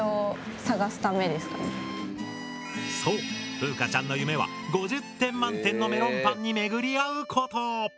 風佳ちゃんの夢は５０点満点のメロンパンに巡り合うこと！